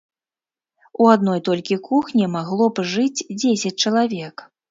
У адной толькі кухні магло б жыць дзесяць чалавек.